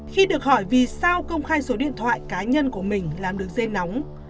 khi được hỏi vì sao công khai số điện thoại cá nhân của mình làm đường dây nóng